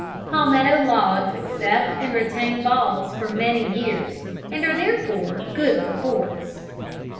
Palmetto logs accept and retain balls for many years, and are therefore good for forts.